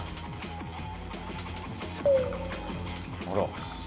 「あら」